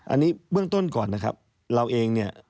อันนี้เบื้องต้นก่อนนะครับเราเองเนี่ย